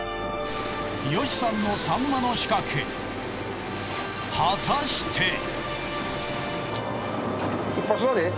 ヨシさんのサンマの仕掛け果たして。